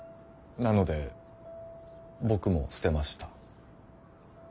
なので僕も捨てました。